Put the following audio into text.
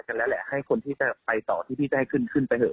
นั่นแหละให้คนที่จะไปต่อที่พี่ได้ขึ้นขึ้นไปเหอ